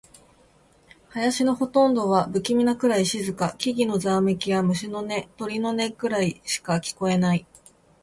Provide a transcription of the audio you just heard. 林のほとんどは不気味なくらい静か。木々のざわめきや、虫の音、鳥の鳴き声くらいしか聞こえない。